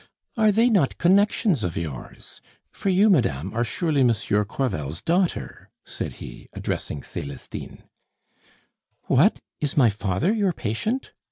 Are they not connections of yours? For you, madame, are surely Monsieur Crevel's daughter?" said he, addressing Celestine. "What, is my father your patient?"